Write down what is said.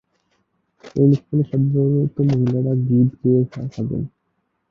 এ অনুষ্ঠানে সাধারণত মহিলারা গীত গেয়ে থাকেন।